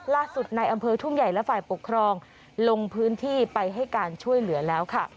ในอำเภอทุ่งใหญ่และฝ่ายปกครองลงพื้นที่ไปให้การช่วยเหลือแล้วค่ะ